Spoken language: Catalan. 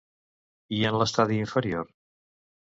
I en l'estadi inferior?